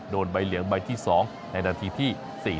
โดนใบเหลืองใบที่๒ในนาทีที่๔๐